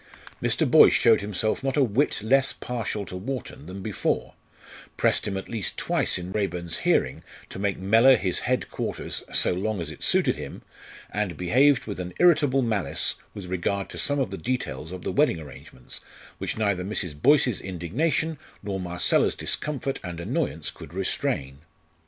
Mr. Boyce showed himself not a whit less partial to Wharton than before; pressed him at least twice in Raeburn's hearing to make Mellor his head quarters so long as it suited him, and behaved with an irritable malice with regard to some of the details of the wedding arrangements, which neither Mrs. Boyce's indignation nor Marcella's discomfort and annoyance could restrain.